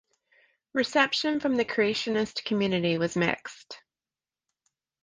Reception from the creationist community was mixed.